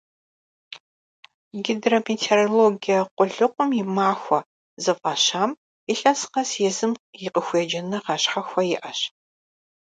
«Гидрометеорологие къулыкъум и махуэ» зыфӀащам илъэс къэс езым и къыхуеджэныгъэ щхьэхуэ иӀэщ.